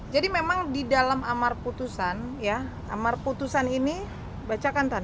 jadi memang di dalam amar putusan ya amar putusan ini bacakan tan